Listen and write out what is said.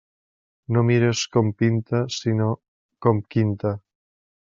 No mires com pinta, sinó com quinta.